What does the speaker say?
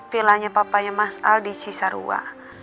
villanya papanya mas al di cisarua